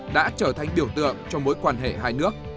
đã trở thành biểu tượng cho mối quan hệ hai nước